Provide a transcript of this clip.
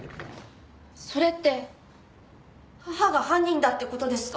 それって母が犯人だって事ですか？